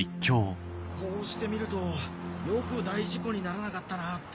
こうして見るとよく大事故にならなかったなって